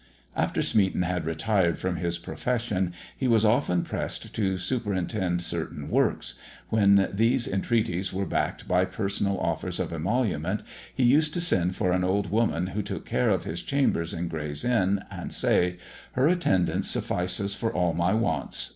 After Smeaton had retired from his profession, he was often pressed to superintend certain works; when these entreaties were backed by personal offers of emolument, he used to send for an old woman who took care of his chambers in Gray's Inn, and say, "Her attendance suffices for all my wants!"